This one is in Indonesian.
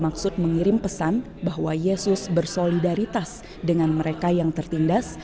maksud mengirim pesan bahwa yesus bersolidaritas dengan mereka yang tertindas